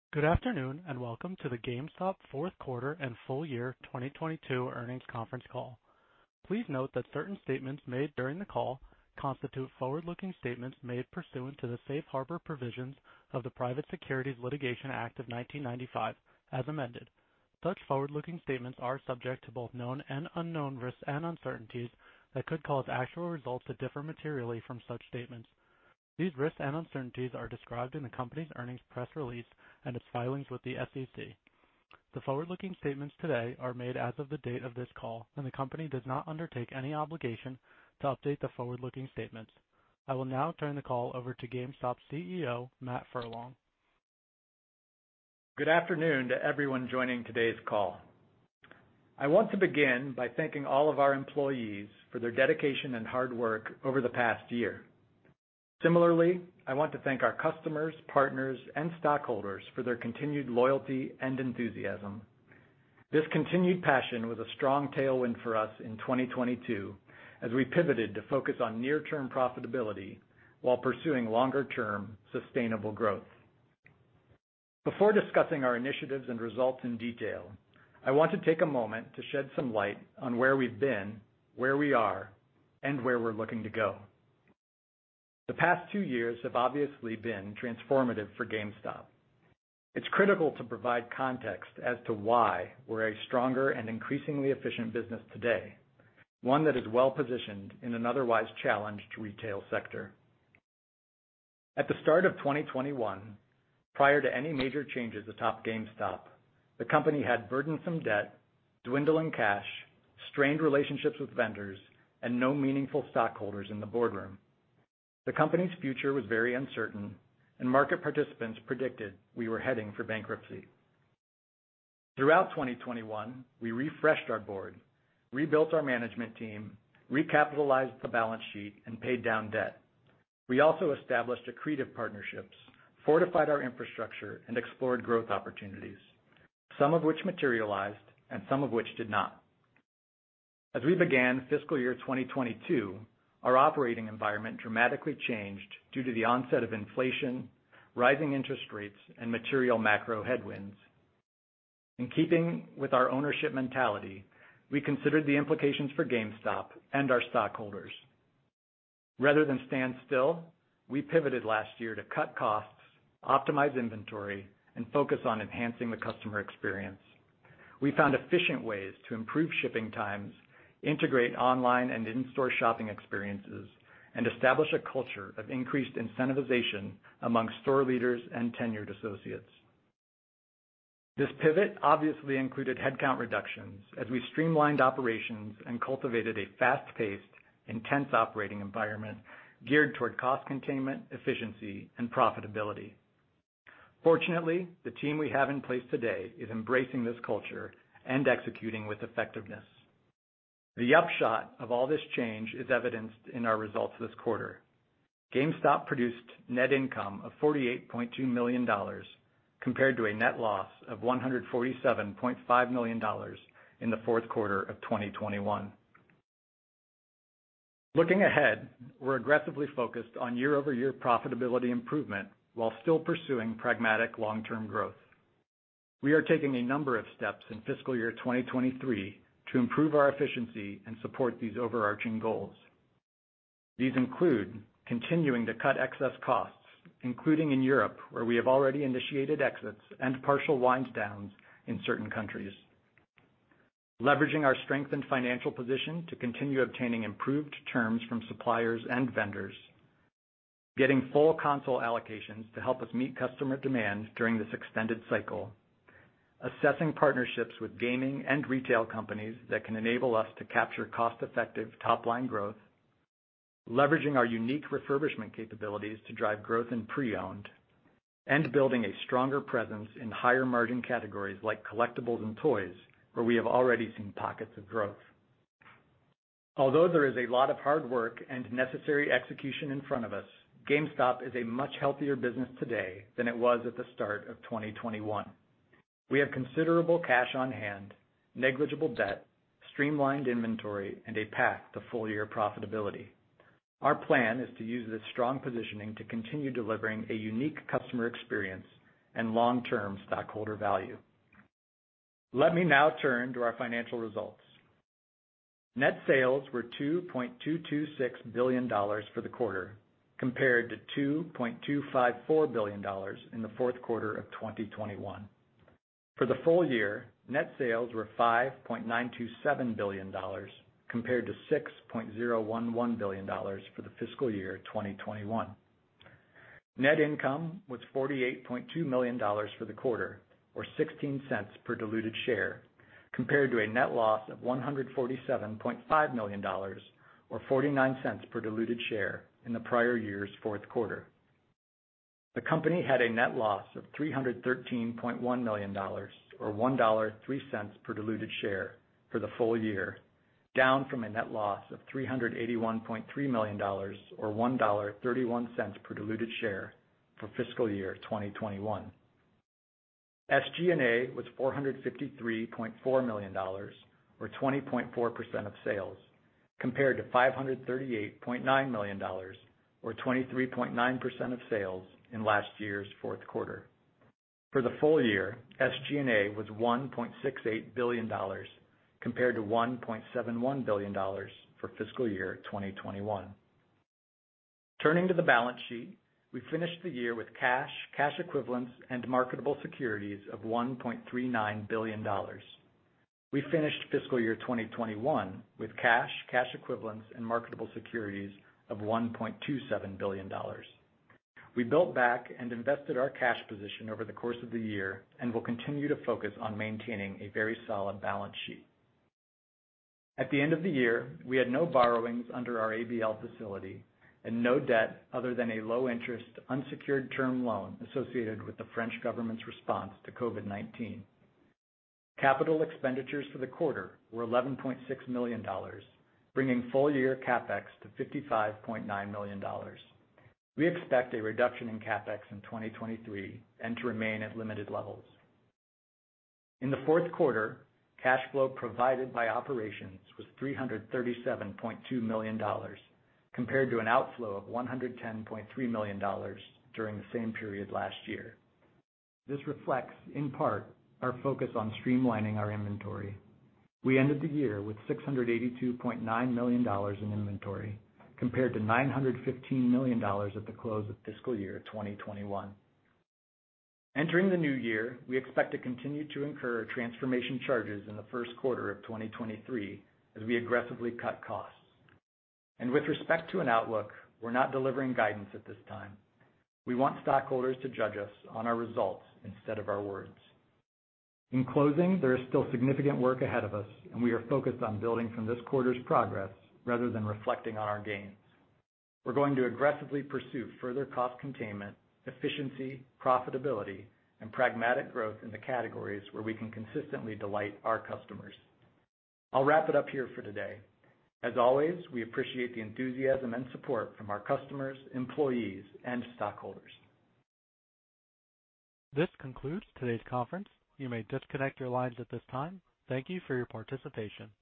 Good afternoon, and welcome to the GameStop Fourth Quarter and Full Year 2022 Earnings Conference Call. Please note that certain statements made during the call constitute forward-looking statements made pursuant to the safe harbor provisions of the Private Securities Litigation Reform Act of 1995 as amended. Such forward-looking statements are subject to both known and unknown risks and uncertainties that could cause actual results to differ materially from such statements. These risks and uncertainties are described in the company's earnings, press release, and its filings with the SEC. The forward-looking statements today are made as of the date of this call, and the company does not undertake any obligation to update the forward-looking statements. I will now turn the call over to GameStop's CEO, Matt Furlong. Good afternoon to everyone joining today's call. I want to begin by thanking all of our employees for their dedication and hard work over the past year. Similarly, I want to thank our customers, partners, and stockholders for their continued loyalty and enthusiasm. This continued passion was a strong tailwind for us in 2022 as we pivoted to focus on near-term profitability while pursuing longer-term sustainable growth. Before discussing our initiatives and results in detail, I want to take a moment to shed some light on where we've been, where we are, and where we're looking to go. The past two years have obviously been transformative for GameStop. It's critical to provide context as to why we're a stronger and increasingly efficient business today, one that is well-positioned in an otherwise challenged retail sector. At the start of 2021, prior to any major changes atop GameStop, the company had burdensome debt, dwindling cash, strained relationships with vendors, and no meaningful stockholders in the boardroom. The company's future was very uncertain, and market participants predicted we were heading for bankruptcy. Throughout 2021, we refreshed our board, rebuilt our management team, recapitalized the balance sheet, and paid down debt. We also established accretive partnerships, fortified our infrastructure, and explored growth opportunities, some of which materialized and some of which did not. As we began fiscal year 2022, our operating environment dramatically changed due to the onset of inflation, rising interest rates, and material macro headwinds. In keeping with our ownership mentality, we considered the implications for GameStop and our stockholders. Rather than stand still, we pivoted last year to cut costs, optimize inventory, and focus on enhancing the customer experience. We found efficient ways to improve shipping times, integrate online and in-store shopping experiences, and establish a culture of increased incentivization amongst store leaders and tenured associates. This pivot obviously included headcount reductions as we streamlined operations and cultivated a fast-paced, intense operating environment geared toward cost containment, efficiency, and profitability. Fortunately, the team we have in place today is embracing this culture and executing with effectiveness. The upshot of all this change is evidenced in our results this quarter. GameStop produced net income of $48.2 million compared to a net loss of $147.5 million in the fourth quarter of 2021. Looking ahead, we're aggressively focused on year-over-year profitability improvement while still pursuing pragmatic long-term growth. We are taking a number of steps in fiscal year 2023 to improve our efficiency and support these overarching goals. These include continuing to cut excess costs, including in Europe, where we have already initiated exits and partial wind downs in certain countries. Leveraging our strength and financial position to continue obtaining improved terms from suppliers and vendors. Getting full console allocations to help us meet customer demands during this extended cycle. Assessing partnerships with gaming and retail companies that can enable us to capture cost-effective top-line growth. Leveraging our unique refurbishment capabilities to drive growth in pre-owned, and building a stronger presence in higher margin categories like collectibles and toys, where we have already seen pockets of growth. Although there is a lot of hard work and necessary execution in front of us, GameStop is a much healthier business today than it was at the start of 2021. We have considerable cash on hand, negligible debt, streamlined inventory, and a path to full-year profitability. Our plan is to use this strong positioning to continue delivering a unique customer experience and long-term stockholder value. Let me now turn to our financial results. Net sales were $2.226 billion for the quarter, compared to $2.254 billion in the fourth quarter of 2021. For the full year, net sales were $5.927 billion, compared to $6.011 billion for the fiscal year 2021. Net income was $48.2 million for the quarter, or $0.16 per diluted share, compared to a net loss of $147.5 million, or $0.49 per diluted share in the prior year's fourth quarter. The company had a net loss of $313.1 million, or $1.03 per diluted share for the full year, down from a net loss of $381.3 million or $1.31 per diluted share for fiscal year 2021. SG&A was $453.4 million or 20.4% of sales. Compared to $538.9 million, or 23.9% of sales in last year's fourth quarter. For the full year, SG&A was $1.68 billion compared to $1.71 billion for fiscal year 2021. Turning to the balance sheet, we finished the year with cash equivalents, and marketable securities of $1.39 billion. We finished fiscal year 2021 with cash equivalents, and marketable securities of $1.27 billion. We built back and invested our cash position over the course of the year and will continue to focus on maintaining a very solid balance sheet. At the end of the year, we had no borrowings under our ABL facility and no debt other than a low interest unsecured term loan associated with the French government's response to COVID-19. Capital expenditures for the quarter were $11.6 million, bringing full year CapEx to $55.9 million. We expect a reduction in CapEx in 2023 and to remain at limited levels. In the fourth quarter, cash flow provided by operations was $337.2 million, compared to an outflow of $110.3 million during the same period last year. This reflects, in part, our focus on streamlining our inventory. We ended the year with $682.9 million in inventory, compared to $915 million at the close of fiscal year 2021. Entering the new year, we expect to continue to incur transformation charges in the first quarter of 2023 as we aggressively cut costs. With respect to an outlook, we're not delivering guidance at this time. We want stockholders to judge us on our results instead of our words. In closing, there is still significant work ahead of us, and we are focused on building from this quarter's progress rather than reflecting on our gains. We're going to aggressively pursue further cost containment, efficiency, profitability, and pragmatic growth in the categories where we can consistently delight our customers. I'll wrap it up here for today. As always, we appreciate the enthusiasm and support from our customers, employees, and stockholders. This concludes today's conference. You may disconnect your lines at this time. Thank you for your participation.